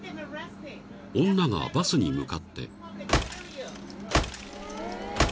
［女がバスに向かって］